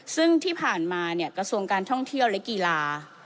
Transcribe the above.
ซึ่งที่ผ่านมากระทรวงการท่องเที่ยวและกีฬา